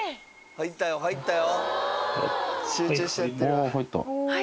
入ったよ入ったよ。